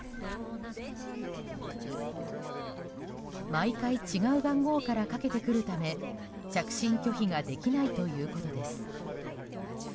毎回、違う番号からかけてくるため着信拒否ができないということです。